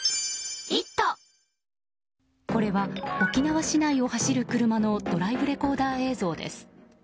これは沖縄市内を走る車のドライブレコーダー映像です。